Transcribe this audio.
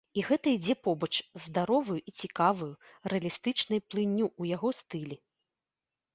І гэта ідзе побач з здароваю і цікаваю, рэалістычнай плынню ў яго стылі.